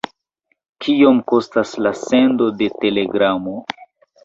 Kiom kostas la sendo de telegramo?